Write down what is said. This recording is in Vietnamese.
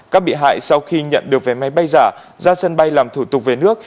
các bị hại sau khi nhận được vé máy bay giả ra sân bay làm thủ tục về nước